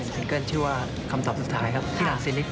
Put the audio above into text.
ซิงเกิ้ลชื่อว่าคำตอบสุดท้ายครับที่หลานซิลิก